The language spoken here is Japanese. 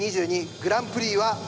グランプリは。